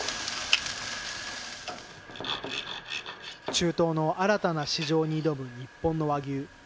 中東の新たな市場に挑む日本の和牛。